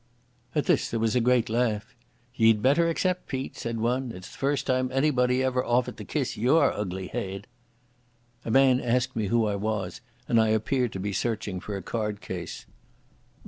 At this there was a great laugh. "Ye'd better accept, Pete," said one. "It's the first time anybody ever offered to kiss your ugly heid." A man asked me who I was, and I appeared to be searching for a card case.